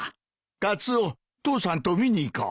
カツオ父さんと見に行こう。